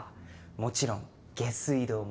もちろん下水道も。